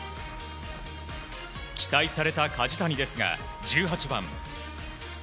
期待された梶谷ですが１８番。